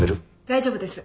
大丈夫です。